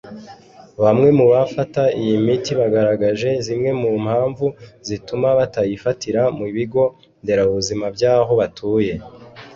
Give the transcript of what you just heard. Bamwe mu bafata iyi miti bagaragaje zimwe mu mpamvu zituma batayifatira mu bigo nderabuzima by’aho batuye